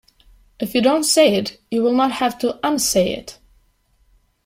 If you don't say it you will not have to unsay it.